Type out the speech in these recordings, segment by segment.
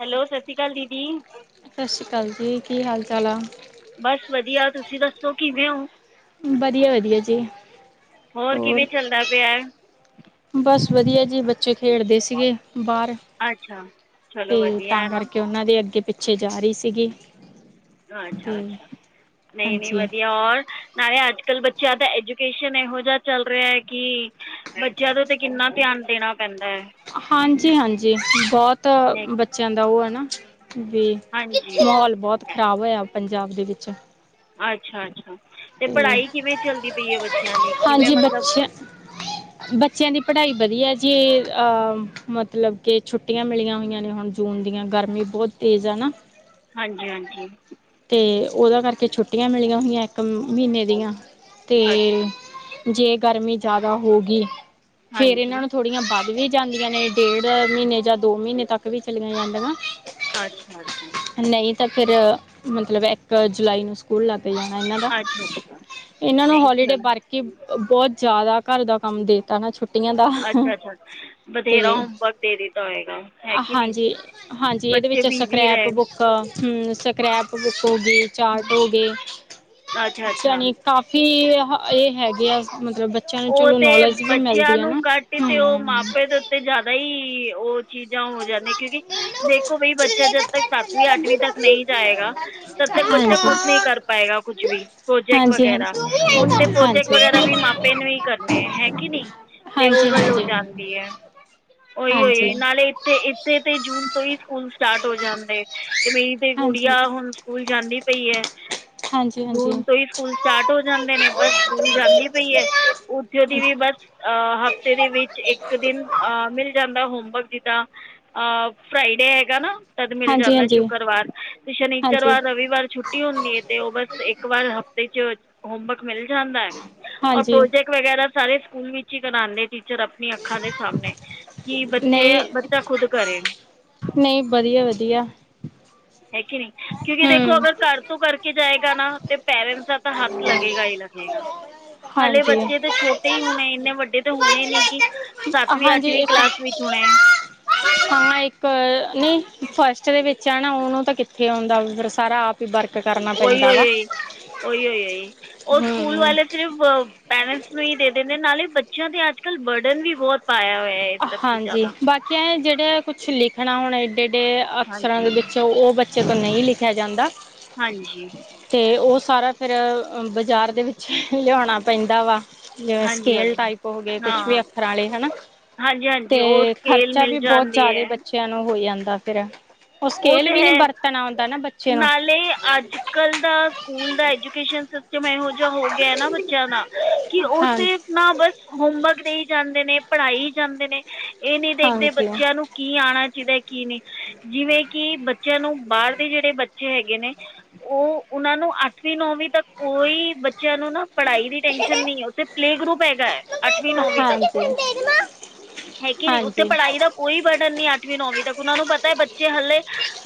Hello, ਸਤਿ ਸ਼੍ਰੀ ਅਕਾਲ ਦੀਦੀ। ਸਤਿ ਸ਼੍ਰੀ ਅਕਾਲ ਜੀ, ਕੀ ਹਾਲ ਚਾਲ ਆ? ਬਸ ਵਧੀਆ, ਤੁਸੀਂ ਦੱਸੋ ਕਿਵੇਂ ਓ? ਵਧੀਆ-ਵਧੀਆ ਜੀ ਹੋਰ ਕਿਵੇਂ ਚੱਲਦਾ ਪਿਆ ਹੈ ਬਸ ਵਧੀਆ ਜੀ ਬ ਇਹ ਖੇਡਦੇ ਸੀਗੇ ਬਾਹਰ ਅੱਛਾ ਚਲੋ ਤੇ ਵਧੀਆ ਤਾਂ ਹੈ ਨਾ ਕਰਕੇ ਉਹਨਾਂ ਦੇ ਅੱਗੇ-ਪਿੱਛੇ ਪਿੱਛੇ ਜਾ ਰਹੀ ਸੀਗੀ। ਅੱਛਾ ਤੇ ਅੱਛਾ, ਨਈਂ ਨਈਂ ਹਾਂਜੀ ਵਧੀਆ ਹੋਰ ਨਾਲੇ ਅੱਜ-ਕੱਲ੍ਹ ਬੱਚਿਆਂ ਦਾ ਐਜੂਕੇਸ਼ਨ ਇਹੋ ਜਿਹਾ ਚੱਲ ਰਿਹਾ ਐ ਕਿ ਬੱਚਿਆਂ ਤੋਂ ਤੇ ਕਿੰਨਾ ਧਿਆਨ ਦੇਣਾ ਪੈਂਦਾ ਐ। ਹਾਂਜੀ ਹਾਂਜੀ, ਬੋਤ ਨਹੀਂ ਬੱਚਿਆਂ ਦਾ ਉਹ ਐ ਨਾ ਵੀ ਹਾਂਜੀ ਮਾਹੌਲ ਬੋਤ ਖ਼ਰਾਬ ਹੋਇਆ ਪੰਜਾਬ ਦੇ ਵਿੱਚ। ਅੱਛਾ ਅੱਛਾ ਤੇ ਪੜ੍ਹਾਈ ਕਿਵੇਂ ਚੱਲਦੀ ਪਈ ਐ ਬੱਚਿਆਂ ਦੀ ਕਿਵੇਂ ਹਾਂਜੀ ਮਤਲਬ ਬੱਚਿਆਂ ਬੱਚਿਆਂ ਦੀ ਪੜ੍ਹਾਈ ਵਧੀਆ ਜੇ ਅਹ ਮ ਮਤਲਬ ਕਿ ਛੁੱਟੀਆਂ ਮਿਲੀਆਂ ਹੋਈਆਂ ਨੇ ਹੁਣ ਜੂਨ ਦੀਆਂ ਗਰਮੀ ਬਹੁਤ ਤੇਜ਼ ਆ ਨਾ। ਹਾਂਜੀ ਹਾਂਜੀ। ਤੇ ਉਹਦਾ ਕਰਕੇ ਛੁੱਟੀਆਂ ਮਿਲੀਆਂ ਹੋਈਆਂ ਇੱਕ ਮਹੀਨੇ ਦੀਆਂ ਤੇ ਅੱਛਾ ਜੇ ਗਰਮੀ ਜ਼ਿਆਦਾ ਹੋ ਗੀ ਫੇਰ ਹਾਂਜੀ ਇਹਨਾਂ ਨੂੰ ਥੋ ੜੀਆਂ ਵੱਧ ਵੀ ਜਾਂਦੀਆਂ ਨੇ ਡੇਢ ਮਹੀਨੇ ਜਾਂ ਦੋ ਮਹੀਨੇ ਤੱਕ ਵੀ ਚਲੀਆਂ ਜਾਂਦੀਆਂ। ਅੱਛਾ ਅੱਛਾ। ਨਈ ਤਾਂ ਫਿਰ ਮਤਲਬ ਇੱਕ ਜੁਲਾਈ ਨੂੰ ਸਕੂਲ ਲੱਗ ਜਾਣਾ ਇਹਨਾਂ ਦਾ, ਅੱਛਾ ਅੱਛਾ ਇਹਨਾਂ ਨੂੰ ਨਹੀਂ ਹੋਲੀਡੇ ਚਲੋ ਬਰਕ ਕਿ ਬੋਤ ਜ਼ਿਆਦਾ ਘਰ ਦਾ ਕੰਮ ਦੇ ਕਰਣਾ ਛੁੱਟੀਆਂ ਦਾ ਤੇ ਹੈ ਕਿ ਨਹੀਂ ਹਾਂਜੀ। ਹਾਂਜੀ, ਇਹਦੇ ਬੱਚੇ ਵਿੱਚ ਬਿਜ਼ੀ ਸਕ੍ਰੈਪ ਰਹੇ ਬੁੱਕ ਹਂ, ਸਕ੍ਰੈਪ ਬੁੱਕ ਹੋ ਗਈ। ਚਾਰਟ ਹੋ ਗਏ, ਅੱਛਾ ਅੱਛਾ ਸਨੀ ਕਾਫੀ ਇਹ ਹੈਗੇ ਆ ਮਤਲਬ ਬਚ ਉਹ ਤੇ ਬੱਚਿਆਂ ਨੂੰ ਘੱਟ ਹੀ ਤੇ ਉਹ ਹੂੰ। ਮਾਪੇ ਦੇ ਉੱਤੇ ਜ਼ਿਆਦਾ ਈ ਉਹ ਚੀਜ਼ਾਂ ਹੋ ਜਾਂਦੀਆਂ ਕਿਉਂਕਿ ਦੇਖੋ ਬਈ ਬੱਚਾ ਜਦ ਤੱਕ ਸੱਤਵੀਂ ਅੱਠਵੀਂ ਤੱਕ ਨਈਂ ਜਾਏਗਾ ਤਦ ਤੱਕ ਬੱਚਾ ਹਾਂਜੀ, ਖੁਦ ਨਈਂ ਕਰ ਪਾਏਗਾ ਕੁੱਛ ਵੀ। ਪ੍ਰੋਜੈਕਟ ਹਾਂਜੀ, ਵਗੈਰਾ ਹੁਣ ਤੇ ਪ੍ਰੋਜੈਕਟ ਹਾਂਜੀ। ਵਗੈਰਾ ਵੀ ਮਾਪ ਪੇਨ ਵੀ ਕਰਨੇ ਹੈ ਕਿ ਨੀ ਹਾਂਜੀ, ਤੇ ਉਹ ਹਾਂਜੀ, ਗੱਲ ਹੋ ਹਾਂਜੀ। ਜਾਂਦੀ ਐ। ਓਹੀ ਉਓ ਹਾਂਜੀ, ਨਾਲੇ ਇੱਥੇ ਇੱਥੇ ਤੇ ਜੂਨ ਤੋਂ ਹੀ ਸਕੂਲ ਸਟਾਰਟ ਹੋ ਜਾਂਦੇ। ਤੇ ਮੇਰੀ ਤੇ ਹਾਂਜੀ, ਹਾਂਜੀ, ਹਾਂਜੀ, ਗੁੜੀਆ ਹੁਣ ਸਕੂਲ ਜਾਂਦੀ ਪਈ ਐ ਹਾਂਜੀ, ਜੂਨ ਤੋਂ ਹੀ ਸਕੂਲ ਸਟਾਰਟ ਹੋ ਜਾਂਦੇ ਨੇ ਬਸ ਸਕੂਲ ਜਾਂਦੀ ਪਈ ਐ ਉੱਥੇ ਦੀ ਵੀ ਬਸ ਅਹ ਹਫ਼ਤੇ ਦੇ ਵਿੱਚ ਇੱਕ ਦਿਨ। ਅ ਮਿਲ ਜਾਂਦਾ ਹੋਮਵਰਕ ਜਿੱਦਾਂ ਅ ਫਰਾਈਡੇ ਹੈਗਾ ਨਾ ਤਦ ਮਿਲ ਜਾਂਦਾ ਸ਼ੁੱਕਰਵਾਰ ਤੇ ਹਾਂਜੀ। ਹਾਂਜੀ, ਸ਼ਨਿਸ਼ਰਵਾਰ ਰਵਿਵਾਰ ਛੁੱ ਛੁਟੀ ਹੁੰਦੀ ਐ ਤੇ ਉਹ ਬਸ ਇੱਕ ਵਾਰ ਹਫ਼ਤੇ ਚ ਹੋਮਵਰਕ ਮਿਲ ਜਾਂਦਾ ਹੈ ਔਰ ਹਾਂਜੀ। ਪ੍ਰੋਜੈਕਟ ਵਗੈਰਾ ਸਾਰੇ ਸਕੂਲ ਵਿੱਚ ਹੀ ਕਰਾਉਂਦੇ ਟੀਚਰ ਆਪਣੀ ਅੱਖਾਂ ਦੇ ਸਾਹਮਣੇ। ਕਿ ਬੱਚੇ ਬੱਚਾ ਖੁਦ ਕਰੇ। ਨਈਂ ਬਧੀਆ ਵਧੀਆ। ਹੈ ਕਿ ਨ੍ਹੀਂ। ਕਿਉਂਕਿ ਦੇਖੋ ਅਗਰ ਹੂੰ। ਘਰ ਤੋ ਕਰਕੇ ਜਾਏਗਾ ਨਾ ਤੇ ਪੇਰੈਂਟਸ ਦਾ ਤਾਂ ਹੱਥ ਲੱਗੇਗਾ ਈ ਲੱਗੇਗਾ। ਹਲੇ ਹਾਂਜੀ ਬੱਚੇ ਤਾਂ ਛੋਟੇ ਈ ਹੁਣੇ ਇੰਨੇ ਵੱਡੇ ਤੇ ਹੁਣੇ ਨੀ ਕਿ ਸਾਤਵੀਂ ਹਾਂਜੀ ਆਠਵੀਂ ਇੱਕ ਕਲਾਸ ਵਿੱਚ ਹੁਣੇ। ਹਾਂ ਇੱਕ ਨੀ ਫਸਟ ਦੇ ਵਿੱਚ ਆ ਨਾ ਉਹਨੂੰ ਤਾਂ ਕਿੱਥੇ ਆਉਂਦਾ ਸਾਰਾ ਆਪ ਵਰਕ ਕਰਨਾ। ਉਹੀ ਪੈਂਦਾ ਓਈ ਵਾ ਉਈ, ਓਈ ਓਈ ਓਈ, ਉਹ ਸਕੂਲ ਹਮ ਵਾਲੇ ਸਿਰਫ ਪੇਰੈਂਟਸ ਨੂੰ ਹੀ ਦੇ ਦਿੰਦੇ ਨਾਲੇ ਬੱਚਿਆਂ ਤੇ ਅੱਜ-ਕੱਲ੍ਹ ਬਰਡਨ ਵੀ ਬਹੁਤ ਪਾਇਆ ਹੋਇਆ। ਇਹ ਸਭ ਚੀਜ਼ਾਂ ਹਾਂਜੀ ਦਾ ਬਾਕੀ ਐ ਜਿਹੜੇ ਕੁਛ ਲਿਖਣਾ ਹੁਣ ਇਏਡੇ ਏਡੇ ਅਫਸਰਾਂ ਦੇ ਹਾਂਜੀ ਵਿ ਉਹ ਬੱਚੇ ਤੋਂ ਨਹੀਂ ਲਿਖਿਆ ਜਾਂਦਾ ਹਾਂਜੀ ਤੇ ਉਹ ਸਾਰਾ ਫੇਰ ਬਾਜ਼ਾਰ ਦੇ ਵਿੱਚ ਲਿਆਣਾ ਪੈਂਦਾ ਵਾ ਜਿਵੇਂ ਹਾਂਜੀ ਸਕੇਲ ਹਾਂਜੀ ਟਾਈਪ ਹੋ ਗਏ ਹਾਂ ਕੁਛ ਵੀ ਹਾਂ ਅੱਖਰਾਂ ਵਾਲੇ ਹੇਣਾ ਹਾਂਜੀ ਹਾਂਜੀ ਉਹ ਤੇ ਸਕੇਲ ਖ਼ਰਚਾ ਮਿਲ ਵੀ ਬਹੁਤ ਜਾਂਦੀ ਜ਼ਿਆਦਾ ਹੈ ਬੱਚਿਆਂ ਨੂੰ ਹੋ ਜਾਂਦਾ ਫਿਰ ਉਹ ਉਹ ਸਕੇਲ ਵੀ ਤਾਂ ਨੀ ਹੈ ਵਰਤਣਾ ਆਉਂਦਾ ਨਾ ਬੱਚੇ ਨੂੰ ਨਾਲੇ ਅੱਜ ਕੱਲ੍ਹ ਦਾ ਸਕੂਲ ਦਾ ਐਜੂਕੇਸ਼ਨ ਸਿਸਟਮ ਇਹੋ ਜਿਹਾ ਹੋ ਗਿਆ ਨਾ ਬੱਚਿਆਂ ਦਾ ਕਿ ਹਾਂ ਉਸੇ ਨਾ ਬਸ ਹੋਮਵਰਕ ਦਇ ਜਾਂਦੇ ਨੇ ਪੜ੍ਹਾਈ ਹੀ ਜਾਂਦੇ ਨੇ ਇਹ ਨਹੀਂ ਦੇਖਦੇ ਹਾਂਜੀ ਹਾਂਜੀ ਬੱਚਿਆਂ ਨੂੰ ਕੀ ਆਉਣਾ ਚਾਹੀਦਾ ਕੀ ਨਹੀਂ ਜਿਵੇਂ ਕਿ ਬੱਚਿਆਂ ਨੂੰ ਬਾਹਰ ਦੇ ਜਿਹੜੇ ਬੱਚੇ ਹੈਗੇ ਨੇ ਉਹ ਉਹਨਾਂ ਨੂੰ ਅੱਠਵੀਂ ਨੌਵੀਂ ਤੱਕ ਕੋਈ ਬੱਚ ਬੱਚਿਆਂ ਨੂੰ ਨਾ ਪੜ੍ਹਾਈ ਦੀ ਟੈਨਸ਼ਨ ਨਹੀਂ ਉੱਥੇ ਪਲੇਅ ਗਰੁਪ ਹੈਗਾ ਏ ਅੱਠਵੀਂ ਨੌਵੀਂ ਤੱਕ ਹਾਂਜੀ ਹੈਗੀ ਨਹੀਂ ਉੱਥੇ ਪੜ੍ਹਾਈ ਦਾ ਕੋਈ ਬਰਡਨ ਨੀ ਅਠਵੀ ਨੌਵੀਂ ਤੱਕ ਉਹਨਾਂ ਨੂੰ ਪਤਾ ਬੱਚੇ ਹਲੇ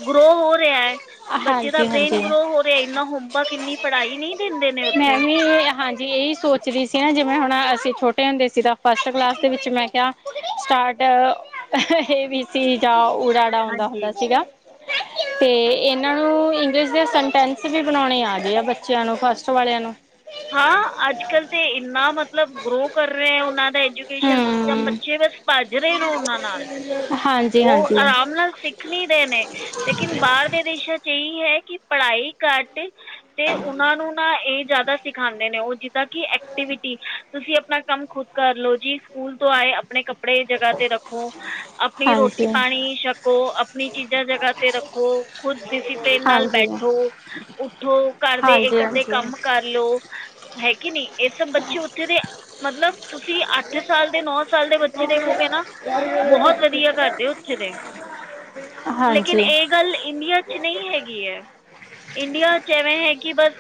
ਗਰੋ ਹੋ ਰਿਹਾ ਐ ਬੱਚੇ ਦਾ ਹਾਂਜੀ ਬ੍ਰੇਨ ਹਾਂਜੀ ਗਰੋ ਹੋ ਰਿਹਾ ਇੰਨਾ ਹੋਮਵਰਕ ਇੰਨੀ ਪੜ੍ਹਾਈ ਨਹੀਂ ਦਿੰਦੇ ਨੇ ਉੱਥੇ ਜੀ ਇਹੀ ਸੋਚਦੀ ਸੀ ਨਾ ਜਿਵੇਂ ਹੁਣ ਅਸੀਂ ਛੋਟੇ ਹੁੰਦੇ ਸੀ ਤਾਂ ਫਸਟ ਕਲਾਸ ਦੇ ਵਿੱਚ ਮੈਂ ਕਿਹਾ ਸਟਾਰਟ ਇਹ ਏ ਬੀ ਸੀ ਜਾਂ ਉ ਅ ਹੁੰਦਾ ਹਾਂਜੀ ਹੁੰਦਾ ਸੀਗਾ ਤੇ ਇਹਨਾਂ ਨੂੰ ਇੰਗਲਿਸ਼ ਦੇ ਸਟੈਂਸ ਵੀ ਬਣਾਉਣੇ ਆ ਗਦੇ ਆ ਬੱਚਿਆਂ ਨੂੰ ਫਸਟ ਵਾਲਿਆਂ ਨੂੰ ਹਾਂ ਅੱਜ ਕੱਲ੍ਹ ਤੇ ਇੰਨਾ ਮਤਲਬ ਗਰੋ ਕਰ ਰਹੇ ਐ ਉਹਨਾਂ ਐਜੂਕੇਸ਼ਨ ਸਿਸਟਮ ਹਮ ਬੱਚੇ ਬਸ ਭੱਜ ਰਹੇ ਨੇ ਉਹਨਾਂ ਨਾਲ ਹਾਂਜੀ ਉਹ ਹਾਂਜੀ ਆਰਾ [unintelligible] ਦੇਣੇ ਲੇਕਿਨ ਬਾਹਰ ਦੇ ਦੇਸ਼ਾਂ ਚ ਇਹੀ ਹੈ ਕਿ ਪੜਾਈ ਘੱਟ ਤੇ ਉਨਾਂ ਨੂੰ ਨਾ ਇਹ ਜਿਆਦਾ ਸਿਖਾਉਂਦੇ ਨੇ ਉਹ ਜਿੱਦਾਂ ਕਿ ਐਕਟੀਵਿਟੀ ਤੁਸੀਂ ਆਪਣਾ ਕੰਮ ਖੁਦ ਕਰ ਲਓ ਜੀ ਸਕੂਲ ਤੋਂ ਆਏ ਆਪਣੇ ਆਪਣੀ ਜਗਹਾ ਤੇ ਰੱਖੋ ਆਪਣੀ ਹਾਂਜੀ, ਰੋਟੀ ਪਾਣੀ ਛਕੋ ਆਪਣੀ ਚੀਜ਼ਾਂ ਜਗਾ ਤੇ ਰੱਖੋ ਖੁਦ ਡਿਸਿਪਲਿਨ ਨਾਲ ਹਾਂਜੀ, ਹਾਂਜੀ, ਬੈਠੋ ਉੱਠੋ ਘਰ ਦੇ ਹਾਂਜੀ, ਇੱਕ ਅੱਧੇ ਕੰਮ ਕਰ ਹੈ ਕਿ ਨਹੀਂ ਇਸ ਬੱਚੇ ਉੱਥੇ ਦੇ ਮਤਲਬ ਤੁਸੀਂ ਅੱਠ ਸਾਲ ਸਾਲ ਦੇ ਬੱਚੇ ਦੇਖੋਗੇ ਨਾ ਬਹੁਤ ਵਧੀਆ ਕਰਦੇ ਉੱਥੇ ਦੇ ਲੇਕਿਨ ਹਾਂਜੀ ਇਹ ਗੱਲ ਇੰਡੀਆ ਚ ਨਹੀਂ ਹੈਗੀ ਐ ਇੰਡੀਆ ਚ ਇਵੇਂ ਹੈ ਕਿ ਬਸ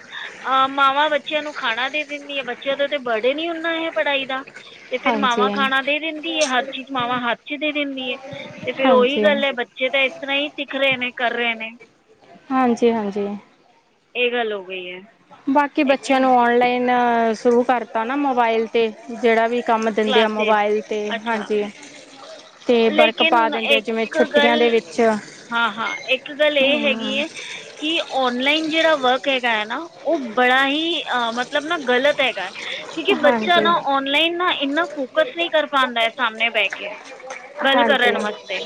ਮਾਵਾਂ ਬ ਬੱਚਿਆਂ ਨੂੰ ਖਾਣਾ ਦੇ ਦਿੰਦੀ ਆ ਬੱਚਿਆਂ ਦਾ ਤੇ ਬਡਨ ਈ ਇਨ੍ਹਾਂ ਹੈ ਪੜ੍ਹਾਈ ਦਾ ਤੇ ਫੇਰ ਹਾਂਜੀ, ਮਾਵਾਂ ਖਾਣਾ ਦੇ ਦਿੰਦੀ ਹੈ ਹਰ ਚੀਜ਼ ਮਾਵਾਂ ਹੱਥ ਚ ਦੇ ਦਿੰਦੀ ਹੈ ਤੇ ਫੇਰ ਉਹੀ ਹਾਂਜੀ, ਗੱਲ ਐ ਬ ਬੱਚੇ ਤਾਂ ਇਸ ਤਰ੍ਹਾਂ ਹੀ ਸਿੱਖ ਰਹੇ ਨੇ ਕਰ ਰਹੇ ਨੇ ਹਾਂਜੀ ਹਾਂਜੀ ਇਹ ਗੱਲ ਹੋ ਗਈ ਏ ਬਾਕੀ ਬੱਚਿਆਂ ਨੂੰ ਔਨਲਾਈਨ ਸ਼ੁਰੂ ਕਰਤਾ ਨਾ ਮੋਬਾਇਲ ਅਤੇ ਜਿਹੜਾ ਵੀ ਕੰਮ ਦਿੰਦੇ ਆ ਕਲਾਸਿਸ ਮੋਬਾਈਲ 'ਤੇ ਅੱਛਾ ਹਾਂਜੀ ਤੇ ਬਰਕ ਪਾ ਲੇਕਿਨ ਦਿੰਦੇ ਆ ਜਿਵੇਂ ਇੱਕ ਛੁੱਟੀਆਂ ਦੇ ਗੱਲ ਵਿੱਚ ਹਾਂ ਹਾਂ ਇੱਕ ਗੱਲ ਇਹ ਹੈਗੀ ਐ ਕਿ ਓਨਲਾਈਨ ਜਿਹੜਾ ਵਰਕ ਹੈਗਾ ਐ ਨਾ ਉਹ ਬੜਾ ਹੀ ਮਤਲਬ ਨਾ ਗਲਤ ਹੈਗਾ ਕਿਉਕਿ ਹਾਂਜੀ, ਬੱਚਾ ਨਾ ਹਾਂਜੀ, ਔਨਲਾਈਨ ਨਾ ਇੰਨਾ ਫੋਕਸ ਨਹੀਂ ਕਰ ਪਾਉਂਦਾ ਸਾਹਮਣੇ ਬਹਿ ਕੇ ਗੱਲ ਹਾਂਜੀ। ਕਰਨ ਹਾਂਜੀ, ਵਾਸਤੇ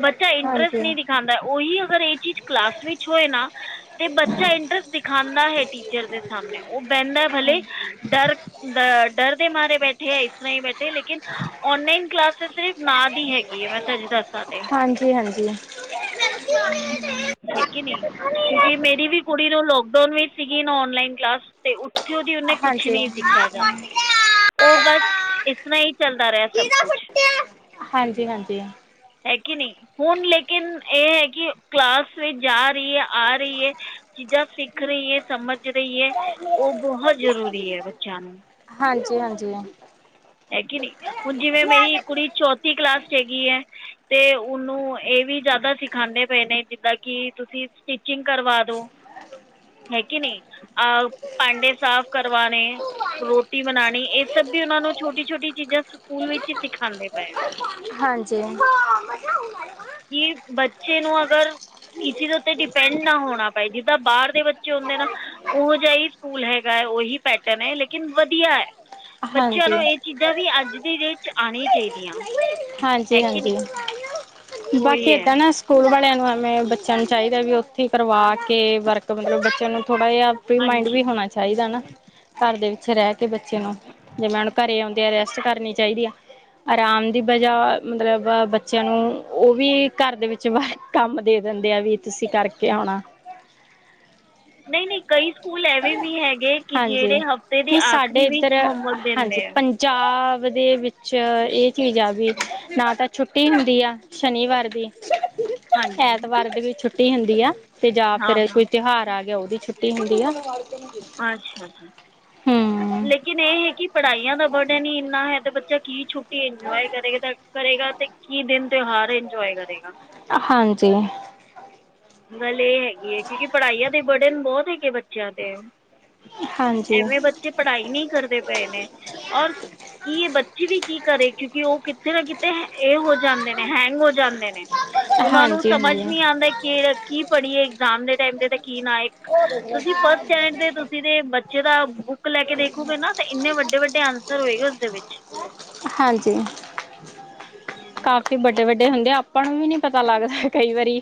ਬੱਚਾ ਇੰਟਰਸਟ ਹਾਂਜੀ, ਨਹੀਂ ਦਿਖਾਦਾ ਉਹੀ ਅਗਰ ਇਹ ਚੀਜ਼ ਕਲਾਸ ਵਿੱਚ ਹੋਏ ਨਾ ਤੇ ਬੱਚਾ ਇੰਟਰਸਟ ਦਿਖਾਉਦਾ ਹੈ ਟੀ ਰ ਦੇ ਸਾਮਣੇ ਓ ਬੈੱਦਾ ਭਲੇ ਡਰ ਦ ਡਰ ਦੇ ਮਾਰੇ ਬੈਠੇ ਐ ਇਸ ਤਰ੍ਹਾਂ ਈ ਬੈਠੇ ਲੇਕਿਨ ਔਨਲਾਈਨ ਕਲਾਸ ਸਿਰਫ਼ ਨਾ ਦੀ ਹੈਗੀ ਏ ਮੈਂ ਸਈ ਦੱਸਾਂ ਤੇ ਹਾਂਜੀ ਹਾਂਜੀ ਹੈ ਕੇ ਨੀ ਕਿਉਂਕਿ ਮੇਰੀ ਵੀ ਕੁੜੀ ਨੂੰ ਲੋਕਡਾਊਨ ਵੀ ਸੀਗੀ ਨਾ ਓਨਲਾਈਨ ਕਲਾਸ ਤੇ ਓਥੋਂ ਦੀ ਓਨੇ ਕੁਛ ਹਾਂਜੀ, ਨੀ ਸਿੱਖਿਆ ਜਾ ਓ ਬਸ ਇਤਨਾ ਹੀ ਚੱਲਦਾ ਰੈ ਸਭ ਕੁਛ। ਹਾਂਜੀ ਹਾਂਜੀ ਹੈ ਕਿ ਨਈ ਹੁਣ ਲੇਕਿਨ ਏ ਹੈ ਕਿ ਕਲਾਸ ਵਿੱਚ ਜਾ ਰੀ ਐ। ਆ ਰਈ ਏ ਚੀਜ਼ਾਂ ਸਿੱਖ ਰਈ ਏ ਸਮਝ ਰਈ ਏ। ਓ ਬਹੁਤ ਜ਼ਰੂਰੀ ਐ ਬੱਚਿਆਂ ਨੂੰ। ਹਾਂਜੀ ਹਾਂਜੀ ਹ ਹੈ ਕੇ ਨਈ ਹੁਣ ਜਿਵੇਂ ਮੇਰੀ ਕੁੜੀ ਚੌਥੀ ਕਲਾਸ 'ਚ ਹੇਗੀ ਐ। ਤੇ ਉਨੂੰ ਏ ਵੀ ਜ਼ਿਆਦਾ ਸਿਖਾਂਦੇ ਪਏ ਨੇ ਜਿੱਦਾਂ ਕਿ ਤੁਸੀਂ ਟਿਚਿੰਗ ਕਰਵਾ ਦੋ ਹੈ ਕੇ ਨਈ ਅ ਪਾਂਡੇ ਸਾਫ਼ ਕਰਵਾਣੇ। ਰੋਟੀ ਬਣਾਣੀ ਏ ਸਭ ਵੀ ਓਨਾ ਨੂੰ ਛੋਟੀ ਛੋਟੀ ਚੀਜ਼ਾਂ ਸਕੂਲ ਵਿੱਚ ਈ ਸਿਖਾਂਦੇ ਪਏ। ਹਾਂਜੀ ਕੀ ਬੱਚੇ ਨੂੰ ਅਗਰ ਕਿਸੇ ਦੇ ਉੱਤੇ ਡਿਪੈਂਡ ਨਾ ਹੋਣਾ ਪਏ ਜਿੱਦਾਂ ਬਾਅਰ ਦੇ ਬੱਚੇ ਹੁੰਦੇ ਨਾ ਉਹੋ ਜਿਹਾ ਹੀ ਸਕੂਲ ਹੈਗਾ ਹੈ ਉਹੀ ਪੈਟਰਨ ਹੈ ਲੇਕਿਨ ਵਧੀਆ ਐ। ਹਾਂਜੀ, ਚਲੋ ਏ ਚੀਜ਼ਾਂ ਵੀ ਅੱਜ ਦੀ ਡੇਟ ਚ ਆਣੀਆਂ ਚਾਈਦੀਆਂ। ਹਾਂਜੀ, ਹਾਂਜੀ ਬਾਕੀ ਉਹੀ ਹੈ ਏਦਾਂ ਨਾ ਸਕੂਲ ਵਾਲਿਆਂ ਨੂੰ ਐਵੇਂ ਬੱਚਿਆਂ ਨੂੰ ਚਾਈਦਾ ਵੀ ਓਥੇ ਈ ਕਰਵਾ ਕੇ ਵਰਕ ਮਤਲਬ ਬੱਚਿਆਂ ਨੂੰ ਥੋੜ੍ਹਾ ਜਿਹਾ ਪ੍ਰੀਮਾਈੰਡ ਵੀ ਹਾਂਜੀ ਹੋਣਾ ਚਾਈਦਾ ਨਾ। ਘਰ ਦੇ ਵਿੱਚੇ ਰੈ ਕੇ ਬੱਚੇ ਨੂੰ ਜੇ ਮੈਡਮ ਘਰੇ ਆ ਰੈਸਟ ਕਰਨੀ ਚਾਈਦੀ ਆ। ਅਰਾਮ ਦੀ ਵਜਾ ਮਤਲਬ ਬੱਚਿਆਂ ਨੂੰ ਓ ਵੀ ਘਰ ਦੇ ਵਿੱਚ ਬ ਕੰਮ ਦੇ ਦੇਂਦੇ ਆ ਵੀ ਤੁਸੀਂ ਕਰਕੇ ਕੇ ਅਉਣਾ ਨਈ ਨਈ ਕਈ ਸਕੂਲ ਐਵੇਂ ਵੀ ਹੈਗੇ ਕਿ ਹਾਂਜੀ ਜੇੜੇ ਹਫ਼ਤੇ ਦੇ ਨਹੀਂ ਆਖਰੀ ਵਿੱਚ ਹੋਮਵਰਕ ਦੇਂਦੇ ਐ। ਚਾਵ ਦੇ ਵਿੱਚ ਏ ਚੀਜ਼ ਆ ਵੀ ਨਾ ਤਾਂ ਛੁੱਟੀ ਹੁੰਦੀ ਆ ਸ਼ਨੀਵਾਰ ਦੀ, ਹਾਂਜੀ ਐਤਵਾਰ ਦੀ ਵੀ ਛੁੱਟੀ ਹੁੰਦੀ ਆ। ਤੇ ਜਾ ਹਾਂ ਫਿਰ ਹਾਂ ਕੋਈ ਤਿਉਹਾਰ ਆ ਗਿਆ ਓਦੀ ਛੁੱਟੀ ਹੁੰਦੀ ਆ। ਅੱਛਾ ਜੀ। ਹਮ ਲੇਕਿਨ ਏ ਹੈ ਕਿ ਪੜ੍ਹਾਈਆਂ ਦਾ ਬਰਡਨ ਹੀ ਇੰਨਾ ਹੈ ਤੇ ਬੱਚਾ ਕੀ ਛੁਟ ਕੀ ਇੰਜੋਏ ਕਰੇਗਾ ਕਰੇਗਾ ਤੇ ਕੀ ਦਿਨ ਤਿਉਹਾਰ ਇੰਜੋਏ ਕਰੇਗਾ। ਹਾਂਜੀ ਗੱਲ ਏ ਹੈਗੀ ਐ ਕਿਉਂਕਿ ਪੜ੍ਹਾਈਆਂ ਦੇ ਬਰਡਨ ਬੌਤ ਹੈਗੇ ਬੱਚਿਆਂ ਤੇ। ਹਾਂਜੀ ਐਵੇਂ ਬੱਚੇ ਪੜ੍ਹਾਈ ਨਈ ਕਰਦੇ ਪਏ ਨੇ ਔਰ ਕਿ ਏ ਬੱਚੀ ਵੀ ਕੀ ਕਰੇ ਕਿਉਂਕਿ ਓ ਕਿਥੇ ਨਾ ਕਿਤੇ ਏ ਹੋ ਜਾਂਦੇ ਨੇ ਹੈਕ। ਹੋ ਜਾਂਦੇ ਨੇ ਓਨਾਂ ਨੂੰ ਹਾਂਜੀ ਸਮਝ ਹਾਂਜੀ ਨੀ ਆਂਦਾ ਕਿ ਕੀ ਪੜ੍ਹੀਏ ਇਗਜ਼ਾਮ ਦੇ ਟਾਈਮ ਤੇ ਤੇ ਕੀ ਨਾ ਏਕ ਤੁਸੀਂ ਫਸਟ ਸਟੈਂਡ ਤੇ ਤੁਸੀਂ ਦੇ ਬੱਚੇ ਦਾ ਬੁੱਕ ਲੈ ਕੇ ਦੇਖੋਗੇ ਨਾ ਤੇ ਇੰਨੇ ਵੱਡੇ, ਵੱਡੇ ਆਂਸਰ ਹੋਏਗੇ ਉਸਦੇ ਵਿੱਚ। ਹਾਂਜੀ ਕਾਫੀ ਬੱਡੇ, ਵੱਡੇ ਹੁੰਦੇ ਆਪਾਂ ਨੂੰ ਵੀ ਨੀ ਪਤਾ ਲੱਗਦਾ ਕਈ ਵਾਰੀ।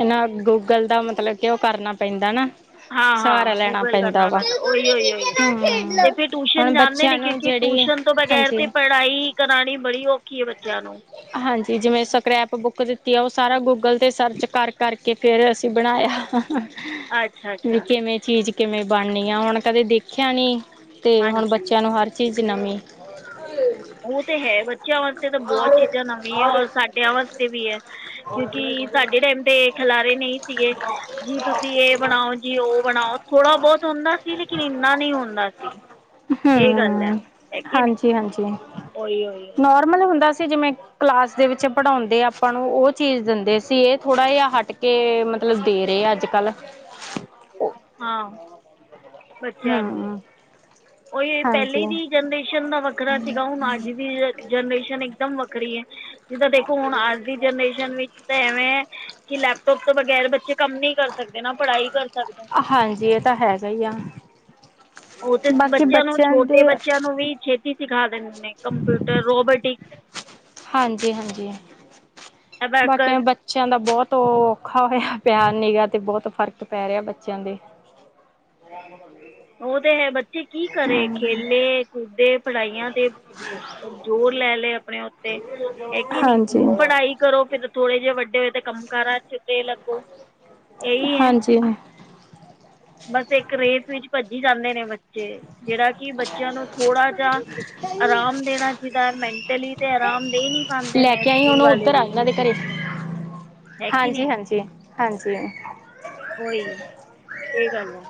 ਇਹਨਾ ਗੂਗਲ ਦਾ ਮਤਲਬ ਕਿ ਉਹ ਕਰਨਾ ਪੈਂਦਾ ਨਾ। ਹਾਂ-ਹਾਂ, ਸਹਾਰਾ ਲੈਣਾ ਗੂਗਲ ਕਰਨਾ ਵਾ ਪੈਂਦਾ ਓਹੀ, ਓਹੀ, ਓਹੀ। ਹੂੰ ਏਥੇ ਟਿਊਸ਼ਨ ਹੁਣ ਜਾਂਦੇ ਬੱਚਿਆਂ ਨੇ ਨੂੰ ਕਿਉਂਕਿ ਜਿਹੜੀ ਟਿਊਸ਼ਨ ਤੋਂ ਬਗੈਰ ਹਾਂਜੀ ਤੇ ਪੜ੍ਹਾਈ ਕਰਾਨੀ ਬੜੀ ਔਖੀ ਹੈ ਬੱਚਿਆਂ ਨੂੰ ਹਾਂਜੀ, ਜਿਵੇਂ ਸਕ੍ਰੈਪ ਬੁੱਕ ਓ ਸਾਰਾ ਗੂਗਲ ਤੇ ਸਰਚ ਕਰ ਕਰਕੇ ਫੇਰ ਅਸੀਂ ਬਣਾਇਆ। ਵੀ ਅੱਛਾ-ਅੱਛਾ। ਕਿਵੇਂ ਚੀਜ਼ ਕਿਵੇਂ ਬਣਨੀ ਆ ਹੁਣ ਕਦੇ ਦੇਖਿਆ ਨੀ ਤੇ ਹੁਣ ਹਾਂਜੀ ਬੱਚੇਆਂ ਨੂੰ ਹਰ ਚੀਜ਼ ਨਮੀ। ਓ ਤੇ ਹੈ ਬੱਚਿਆਂ ਵਾਸਤੇ ਤਾਂ ਬੋਤ ਚੀਜ਼ਾਂ ਨਵੀਂ ਹੈ ਔਰ ਸਾਡਿਆਂ ਵਾਸਤੇ ਵੀ ਹੈ। ਕਿਉਂਕਿ ਸਾਡੇ ਟੈਮ ਤੇ ਖਿਲਾਰੇ ਨਹੀਂ ਸੀਗੇ। ਜੀ ਤੁਸੀਂ ਏ ਬਣਾਓ ਜੀ ਓ ਬਣਾਓ ਥੋੜਾ ਬੋਤ ਹੁੰਦਾ ਸੀ ਲੇਕਿਨ ਏਨਾ ਨੀ ਹੁੰਦਾ। ਹਾਂ। ਏ ਗੱਲ ਹੈ। ਨਹੀਂ ਹਾਂਜੀ-ਹਾਂਜੀ। ਉਹੀ ਉਹੀ ਉਹੀ ਨੋਰਮਲ ਹੁੰਦਾ ਸੀ ਜਿਵੇਂ ਕਲਾਸ ਦੇ ਵਿੱਚ ਪੜ੍ਹਾਉਂਦੇ ਆਪਾਂ ਨੂੰ ਓ। ਚੀਜ਼ ਦਿੰਦੇ ਸੀ ਇਹ ਥੋੜਾ ਜਿਹਾ ਹਟ ਕੇ ਮਤਲਬ ਦੇ ਰਹੇ ਆ ਅੱਜਕਲ ਹਾਂ ਬੱਚੇਆਂ ਨੂੰ ਹੂੰ ਓਈ ਪੈਲੇ ਹਾਂਜੀ ਦੀ ਜਨਰੇਸ਼ਨ ਦਾ ਵੱਖਰਾ ਸੀਗਾ ਹੁਣ ਅੱਜ ਦੀ ਜਨਰੇਸ਼ਨ ਇੱਕਦਮ ਵੱਖਰੀ ਐ ਜਿੱਦਾਂ ਦੇਖੋ ਹੁਣ ਅੱਜ ਦੀ ਜਨਰੇਸ਼ਨ ਵਿੱਚ ਤਾਂ ਐਵੇਂ ਹੈ ਕਿ ਲੈਪਟੋਪ ਤੋਂ ਬਗੈਰ ਬੱਚੇ ਕੰਮ ਨੀ ਕਰ ਸਕਦੇ ਨਾ ਪੜ੍ਹਾਈ ਕਰ ਸਕਦੇ। ਹਾਂਜੀ, ਏਤਾਂ ਹੈਗਾ ਹੀ ਆ। ਓ ਤੇ ਬਾਕੀ ਬੱਚਿਆਂ ਨੂੰ ਦੇ ਛੋਟੇ ਬੱਚਿਆਂ ਨੂੰ ਵੀ ਛੇਤੀ ਸਿਖਾ ਦਿੰਦੇ ਨੇ ਕੰਪਿਊਟਰ ਰੋਬੋਟਿਕ। ਹਾਂਜੀ-ਹਾਂਜੀ। ਬਾਕੀ ਅਬੈਕਸ ਬੱਚਿਆਂ ਦਾ ਬੋਤ ਓ ਔਖਾ ਹੋਇਆ ਪਿਆ ਨਿਗਾ ਤੇ ਬੋਤ ਫ਼ਰਕ ਪੈ ਰਿਹਾ ਬੱਚੇਆਂ ਦੇ [unintelligible] ਓ ਤੇ ਹੈ ਬੱਚੇ ਕੀ ਕਰੇ ਖੇਲੇ ਕੂਦੇੇ ਪੜ੍ਹਾਈਆਂ ਤੇ ਜ਼ੋਰ ਲੈਲੇ ਆਪਣੇ-ਆਪ ਤੇ ਹੈ ਕੇ ਨੀ ਹਾਂਜੀ ਹੁਣ ਪੜ੍ਹਾਈ ਕਰੋ ਫਤੇ ਥੋੜੇ ਜਿਹੇ ਵੱਡੇ ਹੋਏ ਕੰਮਕਾਰ ਆ ਹਾਂਜੀ। ਬਸ ਇੱਕ ਰੇਸ ਵਿੱਚ ਭੱਜੀ ਜਾਂਦੇ ਨੇ। ਬੱਚੇ ਜੇੜਾ ਕਿ ਬੱਚੇਆਂ ਨੂੰ ਥੋੜਾ ਜਿ ਆਰਾਮ ਦੇਣਾ ਚਾਈਦਾ ਮੈਂਟਲੀ ਤੇ ਆਰਾਮ ਦੇ ਨੀ ਪਾਂਦੇ ਲੈ ਨੇ ਕੇ ਆਈ ਸਕੂਲ ਉਹਨੂੰ ਵਾਲੇ ਉੱਧਰ ਆ ਵੀ ਇਹਨਾਂ ਦੇ ਘਰੇ ਹੈ ਕਿ ਹਾਂਜੀ, ਨਹੀਂ ਹਾਂਜੀ, ਹਾਂਜੀ। ਓਹੀ ਇਹ ਗੱਲ ਐ।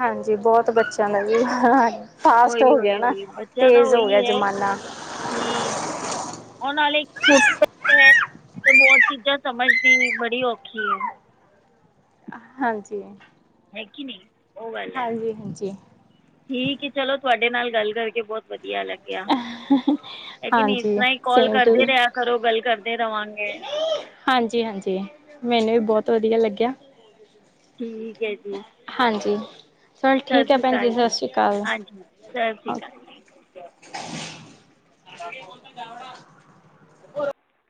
ਹਾਂਜੀ, ਬੋਤ ਬੱਚੇਆਂ ਦੇ ਵੀ ਏ ਹਾਲ ਏ। ਫਾਸਟ ਹੋ ਉਹੀ ਗਿਆ ਉਹੀ ਨਾ ਉਹੀ ਬੱਚਿਆਂ ਦਾ ਤੇਜ਼ ਹੋ ਗਿਆ ਉਹੀ ਹੈ ਜ਼ਮਾਨਾ। [inaudible] ਤੇ ਬੋਤ ਚੀਜ਼ਾਂ ਸਮਝਦੀ ਨੀ ਬੜੀ ਔਖੀ ਹੈ। ਹਾਂਜੀ। ਹੈ ਕੇ ਨਹੀਂ ਓ ਗੱਲ ਹੈ ਹਾਂਜੀ ਹਾਂਜੀ ਠੀਕ ਹੈ ਚਲੋ ਤੁਹਾਡੇ ਨਾਲ ਗੱਲ ਕਰਕੇ ਬੋਤ। ਵਧੀਆ ਲੱਗਿਆ। [inaudible] ਹੈ ਕੇ ਨਈ ਏਸ ਤਰ੍ਹਾਂ ਹੀ ਕਾਲ ਸੇਮ ਟੂ ਕਰਦੇ ਰਿਹਾ ਕਰੋ ਗੱਲ ਕਰਦੇ ਰਵਾਗੇ। ਹਾਂਜੀ, ਹਾਂਜੀ ਮੈਨੂੰ ਵੀ ਬੋਤ ਵਧੀਆ ਲੱਗਿਆ। ਠੀਕ ਹੈ ਜੀ ਹਾਂਜੀ ਚਲ ਠੀਕ ਹੈ ਭੈਣ ਜੀ ਸਤਿ ਸ਼੍ਰੀ ਅਕਾਲ ਚਲ ਠੀਕ ਓਕੇ ਆ